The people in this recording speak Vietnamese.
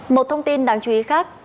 một thông tin đáng chú ý khác